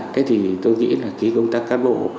thế thì tôi nghĩ là công tác cán bộ